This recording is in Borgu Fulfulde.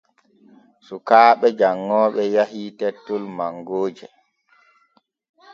Sukaaɓe janŋooɓe yahii tettol mangooje.